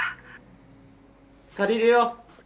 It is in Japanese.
借りるよ。